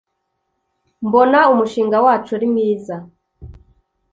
«mbona umushinga wacu arimwiza